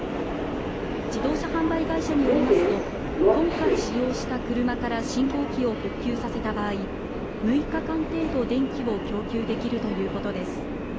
自動車販売会社によりますと今回使用した車から信号機を復旧させた場合６日間程度、電気を供給できるということです。